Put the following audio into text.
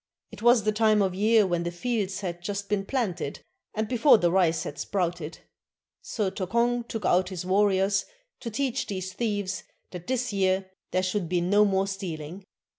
It was the time of year when the fields had just been planted, and before the rice had sprouted; so Tokong took out his warriors to teach these thieves that this year there should be no more stealing.